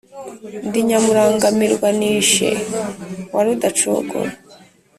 Ndi Nyamurangamirwanishe wa Rudacogora